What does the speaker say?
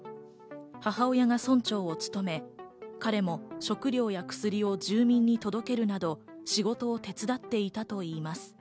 母親が村長を務め、彼も食料や薬を住民に届けるなど仕事を手伝っていたといいます。